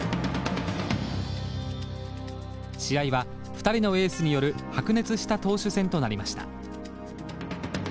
試合は２人のエースによる白熱した投手戦となりました。